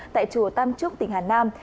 tại chùa tam trúc tỉnh hà nam